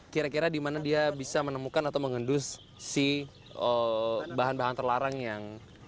kira kira dimana dia bisa menemukan atau mengendus si bahan bahan terlarang yang ada di dalamnya